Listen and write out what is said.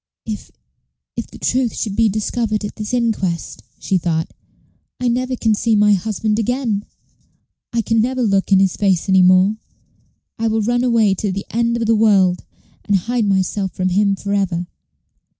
"If if the truth should be discovered at this inquest," she thought, "I never can see my husband again; I can never look in his face any more. I will run away to the end of the world, and hide myself from him for ever."